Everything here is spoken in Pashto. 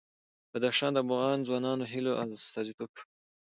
بدخشان د افغان ځوانانو د هیلو استازیتوب کوي.